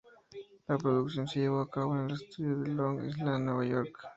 La producción se llevó a cabo en el estudio de Long Island, Nueva York.